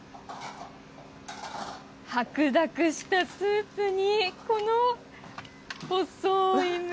白濁したスープに、この細い麺。